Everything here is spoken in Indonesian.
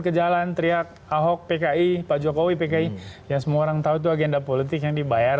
ke jalan teriak ahok pki pak jokowi pki yang semua orang tahu itu agenda politik yang dibayar